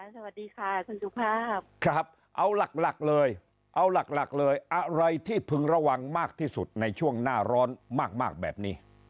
สวัสดีค่ะคุณสุภาพครับเอาหลักเลยเอาหลักเลยอะไรที่พึงระวังมากที่สุดในช่วงหน้าร้อนมากแบบนี้